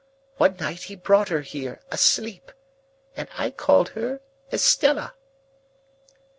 One night he brought her here asleep, and I called her Estella."